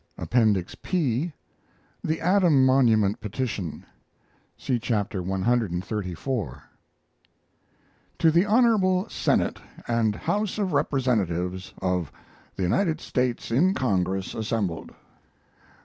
APPENDIX P THE ADAM MONUMENT PETITION (See Chapter cxxxiv) TO THE HONORABLE SENATE AND HOUSE OF REPRESENTATIVES OF THE UNITED STATES IN CONGRESS ASSEMBLED.